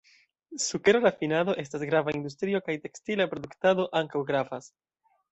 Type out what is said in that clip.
Sukero-rafinado estas grava industrio, kaj tekstila produktado ankaŭ gravas.